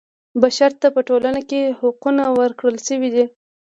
بشر ته په ټولنه کې حقونه ورکړل شوي دي.